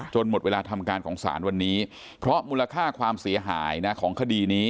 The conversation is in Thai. หมดเวลาทำการของศาลวันนี้เพราะมูลค่าความเสียหายนะของคดีนี้